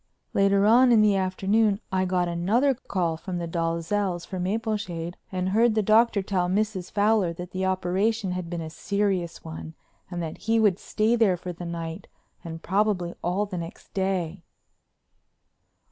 Later on in the afternoon I got another call from the Dalzells' for Mapleshade and heard the Doctor tell Mrs. Fowler that the operation had been a serious one and that he would stay there for the night and probably all the next day.